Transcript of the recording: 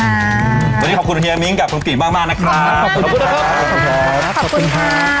ครับวันนี้ขอบคุณเฮียมิ้งกับคุณกินมากมากนะครับขอบคุณครับขอบคุณครับ